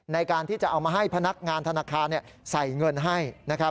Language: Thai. ในการที่จะเอามาให้พนักงานธนาคารใส่เงินให้นะครับ